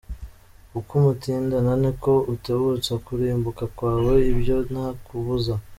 Uko umutindana ni ko utebutsa kurimbuka kwawe, ibyo nta kabuza.